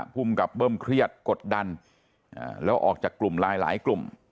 ภูมิกับเบิ้มเครียดกดดันแล้วออกจากกลุ่มไลน์หลายกลุ่ม